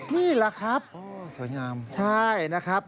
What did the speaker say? นี่เหรอครับนี่เหรอครับใช่นะครับ